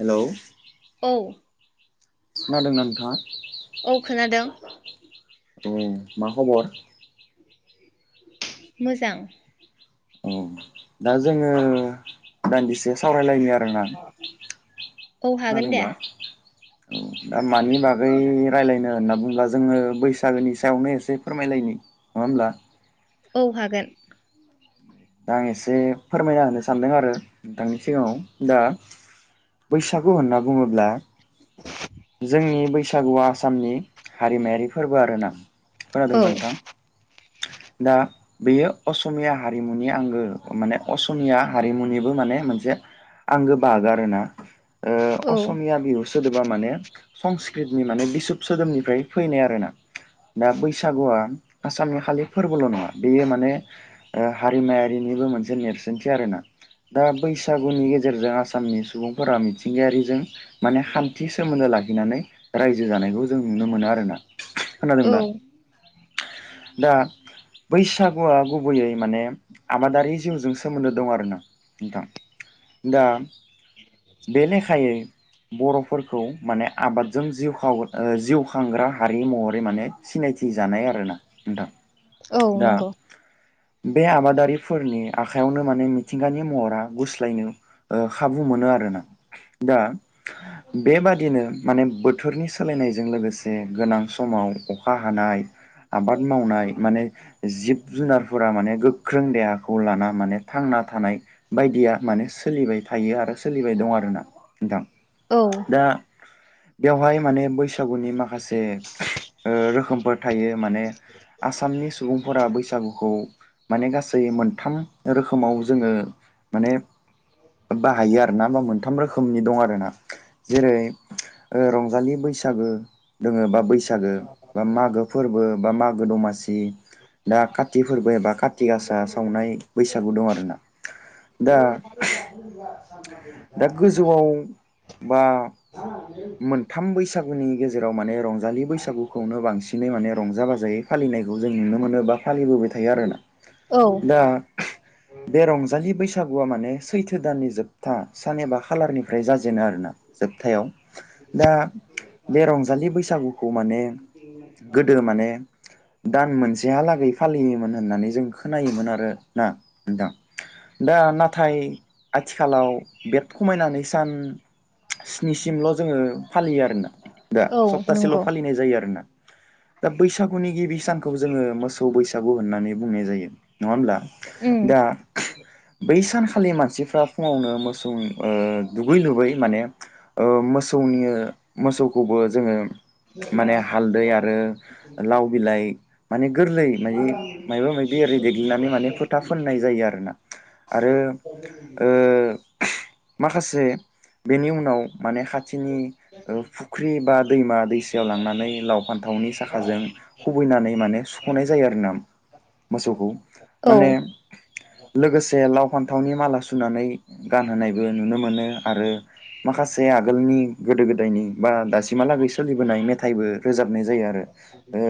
Hello औ खोनादोंना नोंथाङा? औ खोनादों औ मा खबर? मोजां। औ दा जोङो दान्दिसे सावरायलायनि आरोना औ हागोन दे खोनादोंबा? औ दा मानि बागै रायलायनो होनना बुङोब्ला जोङो बैसागोनि सा सायावनो एसे फोरमायलायनि नङा होमब्ला औ हागोन। दा आं एसे फोरमायना होनो सानदों आरो नोंथांनि सिगाङाव दा बैसागु होनना बुङोब्ला जोंनि बैसागुआ आसामनि हारिमायारि फोरबो आरो ना। औ खोनादोंब्ला नोंथां। दा बेयो असमिया हारिमुनि आंगो माने असमिया हारिमुनिबो माने मोनसे आंगो बाहागो आरोना। ओ औ असमिया बिहु स सोदोबा माने संस्कृतनि माने बिसब सोदोबनिफ्राय फैनाय आरोना दा बैसागुआ आसामनि खालि फोरबोल नङा बेयो माने हारिमायारिनिबो मोनसे नेरसोनथि आरोना दा बैसागुनि गेजेरजों आसामनि सुबुंफोरा मिथिंगायारिजों माने खान्थि सोमोन्दो लाखिनानै रायजो जानायखौ जों नुनो मोनाे आरो ना। खोनादोंं औ दा? दा बैसागुआ गुबैयै माने आबादारि जिउजों सोमोन्दो दं आरोना नोंथां। दा बे लेखायै बरफोरखौ माने आबादजों जिउ खाव ओ जिउ खांग्रा हारि महरै माने सिनायथि जानाय आरोना नोंथां। औ दा नंगौ। बे आबादारिफोरनि आखायावनो माने मिथिंगानि महरा गुस्लायनो ओ खाबु मोनो आरो दा बेबादिनो माने बोथोरनि सोलायनायजों लोगोसे गोनां समाव अखा हानाय आबाद मावनाय माने जिब जुनारफोरा माने गोख्रों देहाखौ लाना माने थांना थानाय बायदिया माने सोलिबाय थायो आरो सोलि फैबाय दं आरोना। थां औ दा बेवहाय माने बैसागुनि माखासे [unintelligible] ओ रोखोमफोर थायो माने आसामनि सुबुंफोरा बैसागुखौ माने गासै मोनथाम रोखोमाव जोङो माने बाहायो आ दा होमबा मोन्थाम रोखोमनि दं आरोना। जेरै ओ रंजालि बैसागो दोङो बा बैसागो बा मागो फोरबो बा मागो दमासि उम दा काति फोर्बो एबा काति गासा सावनाय बैसागु दं आरोना। दा दा गोजौआव बा मोन्थाम बैसा गुनि गेजेराव माने रंजालि बैसागुखौनो बांसिनै माने रंजा बाजायै फालिनायखौ जों नुनो मोनो बा फालिबोबाय थायो आरोना। औ दा बे रंजालि बैसागु [unintelligible] माने सैथो दाननि जोब था सान एबा खालारनिफ्राय जाजेनो आरोना जोबथायाव। दा बे रंजालि बैसागुखौ माने गोदो माने दान मोनसेहालागै फालियोमोन होन्नानै जों खोनायोमोन आरोना नोंथां। दा नाथाय आथि खालाव बे खमायनानै सान स्निसिमल' जोङो फालियो आरोना। दा औ सप्तासेल नंगौ फालिनाय जायो आरोना। दा बैसागुनि गिबि सानखौ जोङो मोसौ बैसागु होननानै बुंनाय जायो नङा होमब्ला। उम दा बै सान खालि मानसिफ्रा फुङावनो मोसौ ओ दुगै लुबै माने ओ मोसौनि मोसौखौबो जोङो माने हालदै आरो लाव बिलाय माने गोर्लै माने मायबा माबि ओरै देग्लिनानै माने फोथा फोन्नाय जायो आरोना। आरो ओ माखासे बेनि उनाव माने थिनि ओ फुख्रि बा दैमा दैसायाव लांनानै लाव फान्थावनि साखाजों खुबैनानै माने सुख'नाय जायो आरोना। मोसौखौ औ माने लोगोसे लाव फान्थावनि माला सुनानै गानहोनायबो नुनो मोनो आरो माखासे आगोलनि गोदो गोदायनि बा दा दासिमहालागै सोलिबोनाय मेथाइबो रोजाबनाय जायो आरो। ओ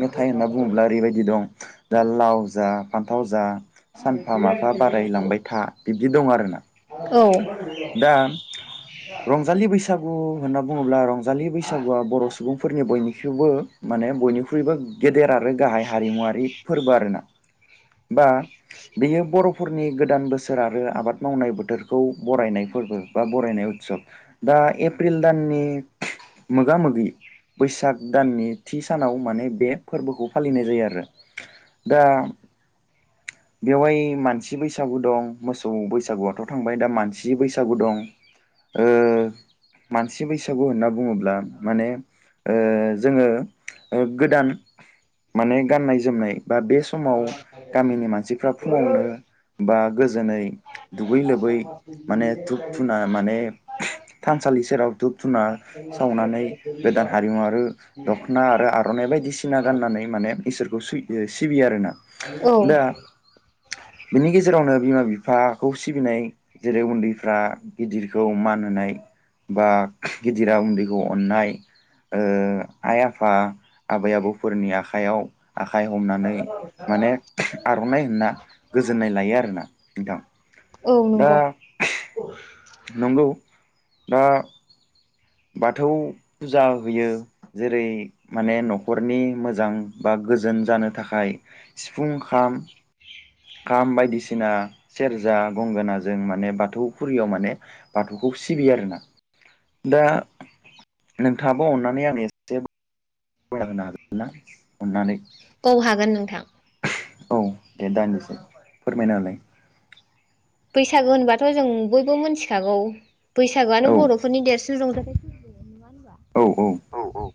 मेथाइ होन्ना बुङोब्ला ओरैबायदि दं दा लाव जा फान्थाव जा सानफा माफा बारायलांबाय था। दि दं आरोना औ दा रंजालि बैसागु होनना बुङोब्ला रंजालि बैसागुआ बर' सुबुंफोरनि बयनिखेवबो माने बयनिख्रुइबो गेदेर आर रो गाहाय हारिमुवारि फोरबो आरोना बा बेयो बर' फोरनि गोदान बोसोर आरो आबाद मावनाय बोथोर खौ बरायनाय फोरबो बा बरायनाय उत्सब दा एप्रिल दाननि मोगा मोगि बैसाग दाननि थि सानाव माने बे फोरबोखौ फालिनाय जायो आरो दा बेवहाय मानसि बैसागु दं मोसौ बैसागुआथ थांबाय दा मानसि बैसागु दं ओ मानसि बैसागु होनना बुङोब्ला माने ओ जोङो ओ गोदान माने गाननाय जोमनाय बा बे समाव गामिनि मानसिफ्रा फुङावनो बा गोजोनै दु लुबै माने धुप धुना माने थानसालि सेराव धुप धुना सावनानै गोदान हारिमु आरो दख'ना आरो आर'नाइ बायदिसिना गाननानै माने इसोरखौ सै सिबियो आरोना। दा बिनि गेजेरावनो बिमा बिफाखौ सिबिनाय जेरै उन्दैफ्रा गिदिरखौ मान होनाय बा गिदिरा उन्दैखौ अननाय ओ आइ आफा आबै आबौफोरनि आख खाइयाव आखाइ हमनानै माने आरनाइ होनना गोजोननाय लायो आरोना नोंथां। औ दा नंगौ। नंगौ दा बाथौ फुजा होयो जेरै माने न'खरनि मोजां बा गोजोन जानो थाखाय सिफुं खाम खाम बायदिसिना सेरजा गंगोनाजों माने बाथौफुरियाव माने बाथौखौ सिबियो आरोना। दा नोंथाङाबो अननानै आं एसे होनो हागोन ना अननानै औ हागोन नोंथां। औ दे दान्नोसै फोरमायनालाय। बैसागु होनबाथ जों बयबो मिथिखागौ। बैसागुआनो औ बर'फोरनि देरसिन रंजा औ औ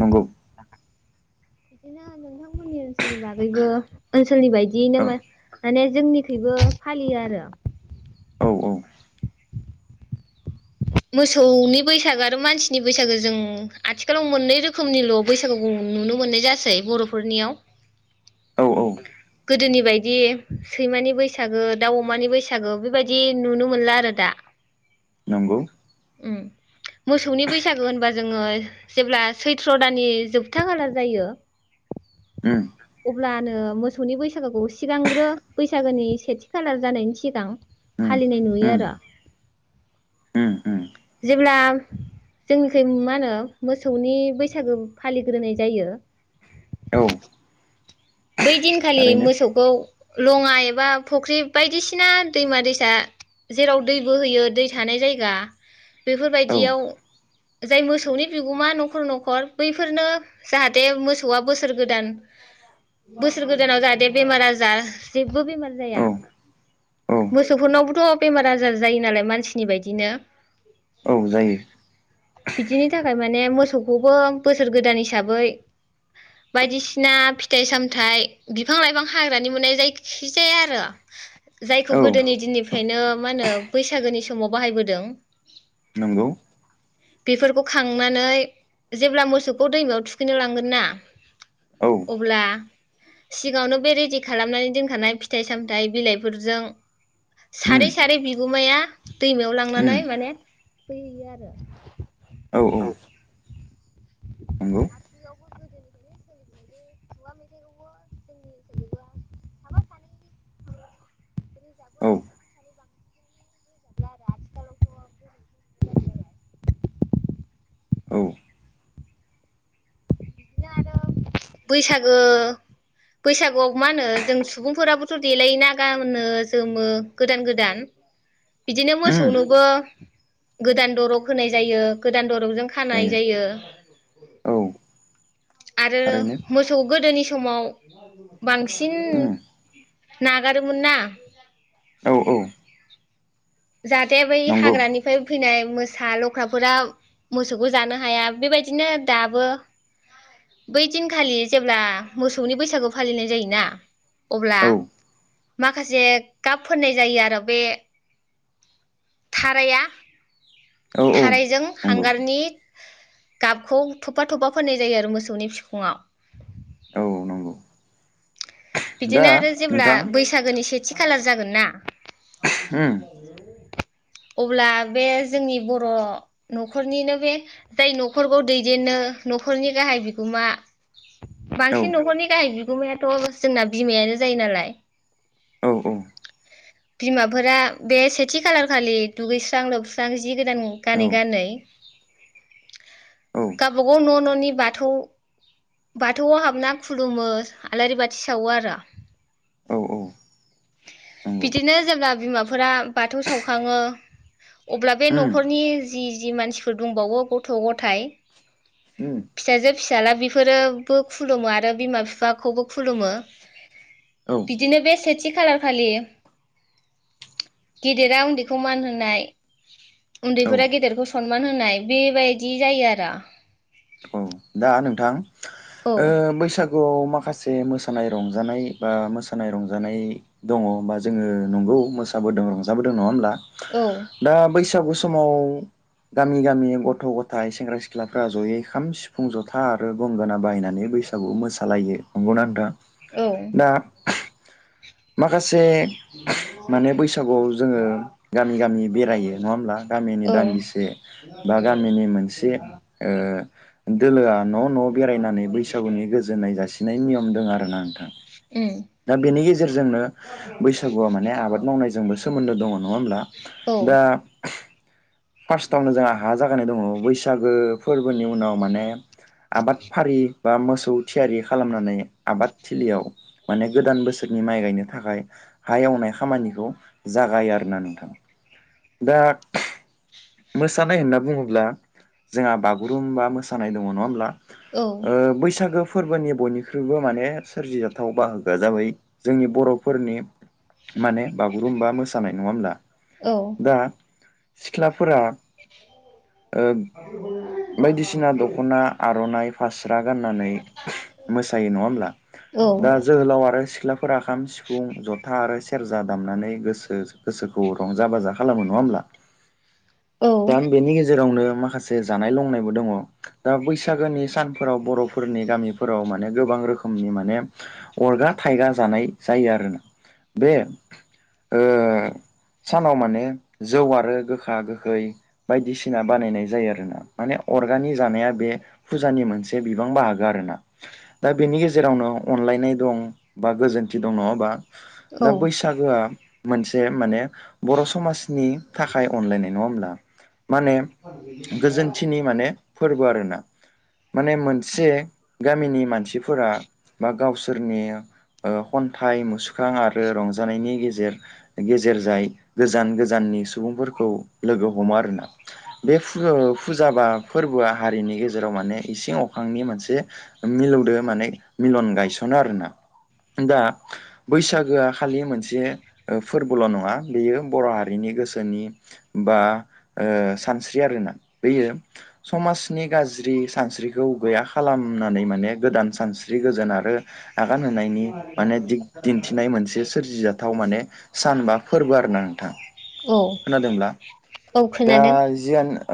नंगौ। बिदिनो नोंथांमोननि ओनसोलनि बागैबो ओन नि बायदि औ नमार माने जोंनिखुइबो फालियो आरो। अ मोसौनि बैसागो आरो मानसिनि बैसागो जों आथिखालाव मोननै रोखोमनिल बैसागु नुनो मोननाय जासै बर'फोरनियाव। औ औ गोदोनि बायदि सैमानि बैसागो दाउ अमानि बैसागो बेबायदि नुनो मोनला आरो दा। नंगौ। उम मोसौनि बैसागो होनबा जोङो जेब्ला सैथ्र' दाननि जोबथा खालार जायो। उम अब्लानो मोसौनि बैसागोखौ सिगांग्रो बैसागोनि सेथि खालार जानायनि सिगां उम फालिनाय नुयो उम आरो। उम उम जेब्ला जोंनिखै मा नो मोसौनि बैसागो फालिग्रोनाय जायो। औ बै दिनखालि थारैनो मोसौखौ लंङा एबा फुख्रि बायदिसिना दैमा दैसा जेराव दैबो होयो दै थानाय जायगा औ बेफोरबायदियाव जाय मोसौनि बिगोमा नखर नखर बैफोरनो जाहाथे मोसौआ बोसोर गोदान बोसोर गोदानाव जाहाथे बेमार आजार जेबो बेमार जाया औ औ मोसौफोरनावबोथ बेमार आजार जायो नालाय मानसिनि बायदिनो औ जायो। बिदिनि थाखाय माने मोसौखौ बो बोसोर गोदान हिसाबै बायदिसिना फिथाय साम थाइ बिफां लाइफां हाग्रानि मोननाय जायखि जाया आरो जायखौ औ गोदोनि दिननि फायनो मा होनो बैसागोनि समाव बाहायबोदों नंगौ बेफोरखौ खांनानै जेब्ला मोसौखौ दैमायाव थुखैनो लांगोन ना औ अब्ला सिगांङावनो बे रेडि खालामनानै दोनखानाय फिथाइ सामथाय बिलाइफोरजों उम सारै सारै बिगुमाया दैमायाव लांनानै उम माने थुखैहैयो आरो औ नंगौ बियावबो गोदोनिफायनो सोलि [unintelligible] साफा सानैनि औ ब्लाबो आरो आथिखालावथ [unintelligible] औ दिनो आरो बैसागो बैसागोआव मा होनो जों सुबुंफोराबोथ देलायोना गाननो जोमो गोदान गोदान बिदिनो उम मोसौनोबो गोदान दरग होनाय जायो गोदान दरग जों खानाय जायो। औ आरो थारैनो मोसौ गोदोनि समाव बांसिन उम नागारोमोन ना औ औ जात दे बै नंगौ हाग्रानिफ्राय फैनाय मोसा, लख्राफोरा मोसौखौ जानो हाया बेबायदिनो दाबो बै दिनखालि जेब्ला मोसौनि बैसागु फालिनाय जायोना अब्ला औ माखासे गाब फोननाय जायो आरो बे थाराया औ औ थारायजों नंगौ हांगारनि गाब खौ थफा थफा फोननाय जायो आरो मोसौनि फिखुंङाव। औ नंगौ दा बिदिनो आरो जेब्ला नोंथां बैसागोनि सेथि खालार जागोन ना उम अब्ला बे जोंनि बर'नखरनिनो बे जाय नखरखौ दैदेननो नखरनि गाहाय बिगोमा औ बांसिन नखरनि गाहाय बि गुमायाथ जोंना बिमायानो जायो नालाय औ औ बिमाफोरा बे सेथि खालार खालि दुगैस्रां लोबस्रां जि गोदान औ गानै गानै औ गावबागाव न'ननि बाथौ बाथौआव हाबना खुलुमो आलारि बाथि सावो आरो औ औ नंगौ बिदिनो जेब्ला बिमाफोरा बाथौ सावखांङो। अब्ला बे उम नखरनि जि जि मानसिफोर दंबावो गथ' गथाय उम फिसाजो फिसाला बे फोरोबो खुलुमो आरो बिमा बिफाखौबो खुलुमो औ बिदिनो बे सेथि खालारखालि गेदेरा उन्दैखौ मान होनाय औ उन्दैफोरा गेदेरखौ सनमान होनाय बेबायदि जायो आरो। औ दा नोंथां औ ओ बैसाग गुआव माखासे मोसानाय रंजानाय बा मोसानाय रंजानाय दङ बा जोङो नंगौ मोसाबोदों रंजाबोदों नङा होमब्ला? औ दा बैस गु समाव गामि गामि गथ' गथाय सेंग्रा सिख्लाफ्रा जयै खाम सिफ फुं जथा आरो गंगोना बायनानै बैसागु मोसालायो नंगौना नोंथां? औ दा माखासे से माने बैसागुआव जोङो गामि गामि बेरायो नङा होमब्ला गामिनि औ दान्दिसे बा गामिनि मोनसे ओ दोलोआ न' न' बेरायनानै बैसागुनि गोजोन्नाय जासि नाय नियम दं आरोना। उम दा बेनि गेजेरजोंनो बैसागुआ माने आबाद मावनायजोंबो सोमोन्दो दङ नङा होमब्ला औ दा फार्स्टआवनो जोंहा हा जागायनाय दङ बैसागो फोरबोनि उनाव माने ने आबाद फारि बा मोसौ थियारि खालामनानै आबाद थिलियाव माने गोदान बोसोरनि माइ गायनो थाखाय हा एवनाय खामानिखौ जागायो आरोना नोंथां दा मोसानाय होनना बुङोब्ला जोंहा बागुरुम्बा मोसानाय दङ नङा होमब्ला? औ ओ बैसागो फोरबोनि बयनिख्रुइबो माने सोरजिजाथाव बाहागोआ जाबाय जोंनि बरफोरनि माने बागुरुम्बा मोसानाय नङा होमब्ला? औ सिख्ला फोरा ओ बायदिसिना दखना आरनाइ फास रा गाननानै मोसायो नङा हमब्ला दा जोहोलाव आरो फोरा खाम सिफुं जथा आरो से सेरजा दामनानै गोसो गोसोखौ रंजा बाजा खालामो नङा होमब्ला? औ दा बेनि गेजेर जेरावनो माखासे जानाय लंनायबो दङ दा बैसागोनि सानफोराव बर'फोरनि गामिफोराव माने गोबां रोखोमनि माने अरगा थायगा जानाय जायो आरोना बे ओ सानाव माने जौ आरो गोखा गो गोखै बायदिसिना बानायनाय जायो आरो ना माने अरगानि जानाया बे फुजानि मोनसे बिबां बाहागो आरोना दा बेनि गेजेरावनो अनलायनाय दं बा गोजोनथि दं नङा होमबा? दा औ बैसागोआ मोनसे माने बर' समाजनि थाखाय अनलाइनाय नङा होमब्ला माने गोजोनथिनि माने फोरबो आरोना माने मोनसे गामिनि मानसिफोरा बा गावसोरनि ओ खन्थाइ, मुसुखां आरो रंजानायनि गेजेर गेजेरजाय गोजान गोजाननि सुबुंफोरखौ लोगो हमो आरोना बे फुजौ फुजा बा फोरबोआ हारिनि गेजेराव माने इसिं अखांनि मोनसे मिलौदो माने मिलन गायसनो आरोना दा बैसागोआ खालि मोनसे ओ फोरबोल' नङा बेयो बर'हारिनि गोसोनि बा ओ सानस्रि आरोना, बेयो समाजनि गाज्रि सानस्रिखौ गैया खालामनानै माने गोदान सानस्रि गोजोन आरो आगान होनायनि माने दिग दिन्थिनाय मोनसे सोरजिजाथाव माने सान बा फोरबो आरो ना नोंथां। औ खोनादोंब्ला औ दा खोनादों। जियानो